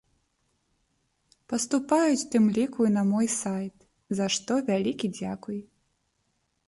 Паступаюць у тым ліку і на мой сайт, за што вялікі дзякуй!